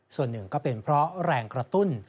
ส่วนหนึ่งก็เป็นเพราะแรงกระตุ้น